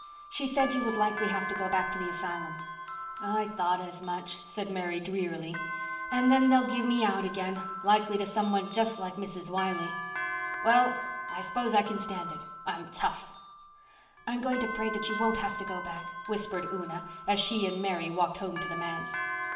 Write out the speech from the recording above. "She said you would likely have to go back to the asylum." "I thought as much," said Mary drearily. "And then they'll give me out again—likely to some one just like Mrs. Wiley. Well, I s'pose I can stand it. I'm tough." "I'm going to pray that you won't have to go back," whispered Una, as she and Mary walked home to the manse.